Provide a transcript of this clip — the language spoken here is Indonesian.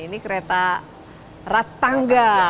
ini kereta ratangga